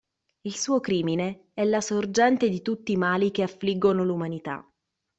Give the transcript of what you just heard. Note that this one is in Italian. Il suo crimine è la sorgente di tutti i mali che affliggono l'umanità.